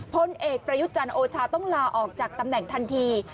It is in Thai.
พลเอกประยุทธ์จันทร์โอชาต้องลาออกจากตำแหน่งทันที